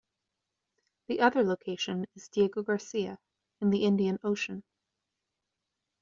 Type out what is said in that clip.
The other location is Diego Garcia in the Indian Ocean.